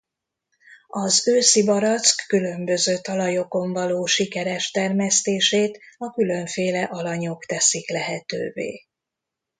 Az őszibarack különböző talajokon való sikeres termesztését a különféle alanyok teszik lehetővé.